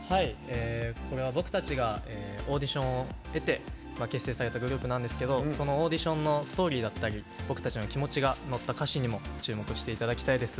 これは僕たちがオーディションを経て結成されたグループなんですけどオーディションのストーリー僕たちの気持ちが乗った歌詞にも注目していただきたいです。